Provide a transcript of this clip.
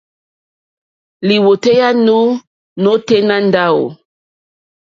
Lìwòtéyá nù nôténá ndáwò.